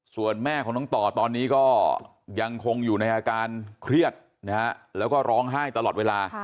ส่วนแม่ของน้องต่อตอนนี้ก็ยังคงอยู่ในอาการเครียดนะฮะแล้วก็ร้องไห้ตลอดเวลา